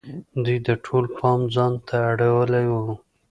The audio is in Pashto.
دوی د ټولو پام ځان ته اړولی وو.